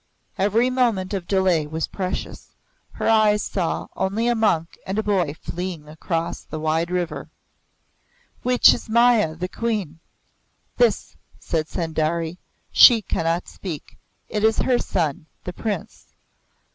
Every moment of delay was precious. Her eyes saw only a monk and a boy fleeing across the wide river. "Which is Maya the Queen?" "This," said Sundari. "She cannot speak. It is her son the Prince."